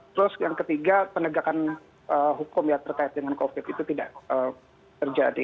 terus yang ketiga penegakan hukum yang terkait dengan covid itu tidak terjadi